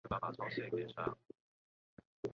张则向陈惠谦询问意见。